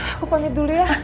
aku pamit dulu ya